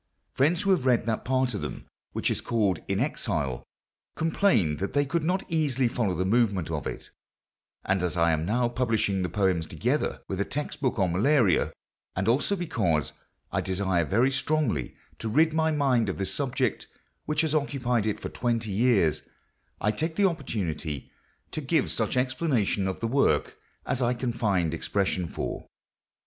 Friends who have read that part of them which is called In Exile complained that they could not easily follow the movement of it; and as I am now publishing the poems together with a text book on malaria—and also because I desire very strongly to rid my mind of this subject which has occupied it for twenty years—I take the opportunity to give such explanation of the work as I can find expression for.